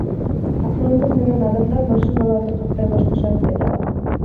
Акырындык менен адамдар машиналарды каттай башташат, — деди ал.